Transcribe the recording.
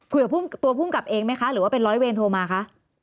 คุยกับตัวภูมิกับเองไหมคะหรือว่าเป็นร้อยเวรโทรมาคะ